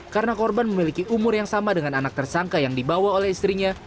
karena korban memiliki umur yang sama dengan anak tersangka yang dibawa oleh istrinya